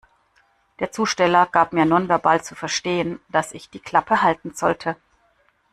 Der Zusteller gab mir nonverbal zu verstehen, dass ich die Klappe halten sollte.